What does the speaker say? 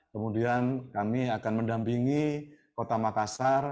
kemudian kami akan mendampingi kota makassar